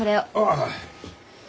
ああ。